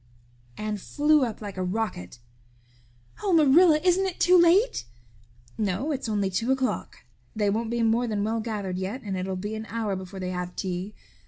Anne flew up like a rocket. "Oh, Marilla, isn't it too late?" "No, it's only two o'clock. They won't be more than well gathered yet and it'll be an hour before they have tea.